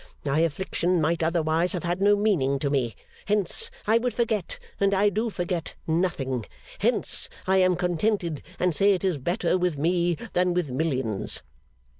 My affliction might otherwise have had no meaning to me. Hence I would forget, and I do forget, nothing. Hence I am contented, and say it is better with me than with millions.